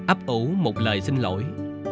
áp ủ một lời xin lỗi